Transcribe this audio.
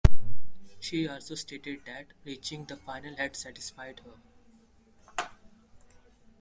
She also stated that reaching the final had satisfied her.